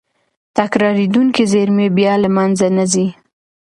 تکرارېدونکې زېرمې بیا له منځه نه ځي.